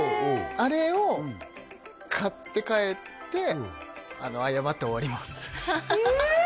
あれを買って帰って謝って終わりますええ！